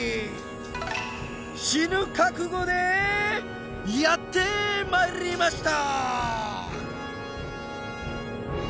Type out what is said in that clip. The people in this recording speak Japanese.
死ぬ覚悟でぇやってまいりました。